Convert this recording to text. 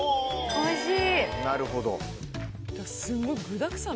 おいしい。